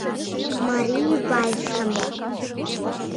Марий вальсым.